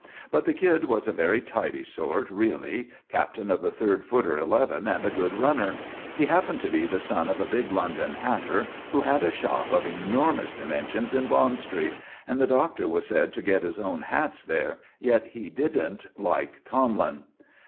But the kid was a very tidy sort, really Captain of the Third Footer Eleven and a good runner. He happened to be the son of a big London hatter who had a shop of enormous dimensions in Bond Street; and the Doctor was said to get his own hats there; yet he didn't like Tomlin.